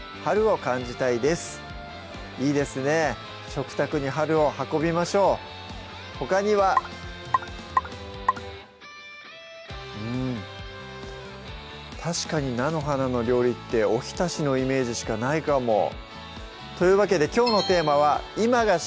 食卓に春を運びましょうほかにはうん確かに菜の花の料理ってお浸しのイメージしかないかもというわけできょうのテーマは「今が旬！